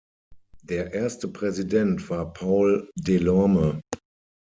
Der erste Präsident war Paul Delorme.